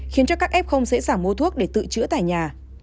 khiến cho các f dễ giảm mua thuốc để tự chữa tại nhà